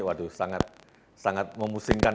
waduh sangat memusingkan